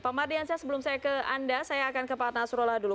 pak mardiansyah sebelum saya ke anda saya akan ke pak nasrullah dulu